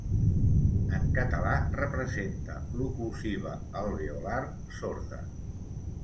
En català representa l'oclusiva alveolar sorda.